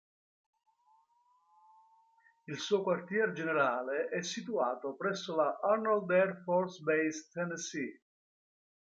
Il suo quartier generale è situato presso la Arnold Air Force Base, Tennessee.